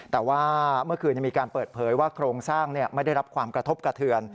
แต่ว่าเมื่อคืนมีการเปิดเผยว่าโครงสร้างไม่ได้รับความกระทบกระเทือน